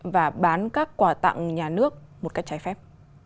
và bán các quà tặng nhà nước một cách trái phép